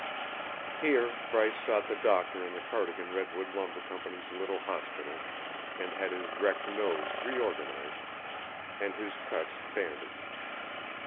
Here Bryce sought the doctor in the Cardigan Redwood Lumber Company's little hospital and had his wrecked nose reorganized and his cuts bandaged.